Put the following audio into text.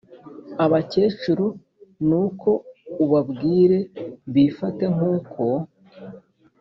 abakecuru ni uko ubabwire bifate nk uko